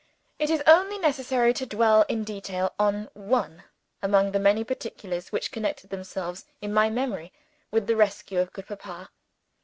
It is only necessary to dwell in detail on one among the many particulars which connect themselves in my memory with the rescue of good Papa.